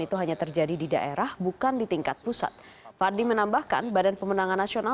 itu hanya terjadi di daerah bukan di tingkat pusat fadli menambahkan badan pemenangan nasional